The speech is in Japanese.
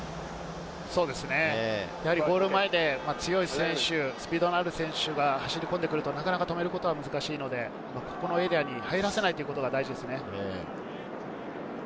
そうですね、ゴール前で強い選手、スピードのある選手が走り込んでくると止めることが難しいので、このエリアに入らせないことが大事ですね。